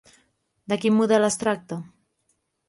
De quin model es tracta?